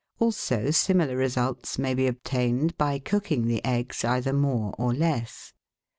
Also similar results may be obtained by cooking the eggs either more or less.